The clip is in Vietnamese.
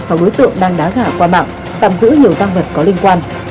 sau đối tượng đang đá gà qua mạng tạm giữ nhiều tăng vật có liên quan